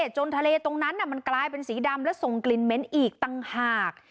จนทะเลตรงนั้นมันกลายเป็นสีดำและส่งกลิ่นเหม็นอีกต่างหาก